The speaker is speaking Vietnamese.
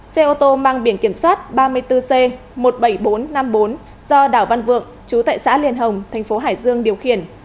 xe ô tô mang biển kiểm soát ba mươi bốn c một mươi bảy nghìn bốn trăm năm mươi bốn do đảo văn vượng chú tại xã liên hồng thành phố hải dương điều khiển